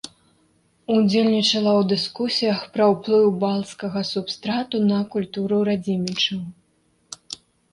Удзельнічала ў дыскусіях пра ўплыў балцкага субстрату на культуру радзімічаў.